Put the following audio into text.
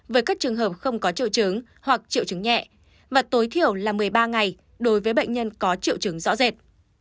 với các trường hợp không có triệu chứng hoặc triệu chứng nhẹ và tối thiểu là một mươi ba ngày đối với bệnh nhân có triệu chứng rõ rệt